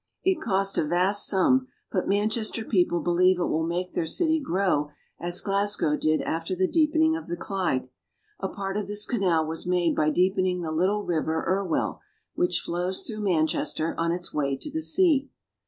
It cost a vast sum, but Manchester people believe it will make their city grow as Glasgow did after the deepening of the Clyde. A part of this canal was made by deepening the little river Irwell, which flows through Manchester on its way to the sea.